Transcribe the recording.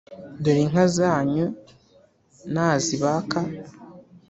Dore inka zanyu nazibaka,